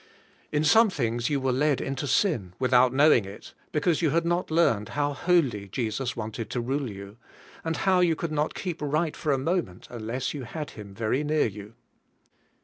In some things yon were led into sin without knowing it, because you had not learned how wholly Jesus wanted to rule you, and how you could not keep right for a moment un less you had Him very near you.